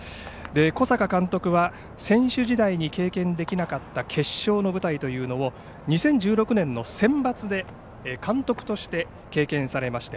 小坂監督は選手時代に経験できなかった決勝の舞台というものを２０１６年のセンバツで監督として経験されました。